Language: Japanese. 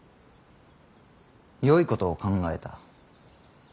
よいことを考えた。